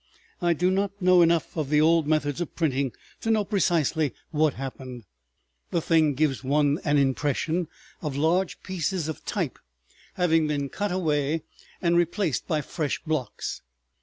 I do not know enough of the old methods of printing to know precisely what happened. The thing gives one an impression of large pieces of type having been cut away and replaced by fresh blocks.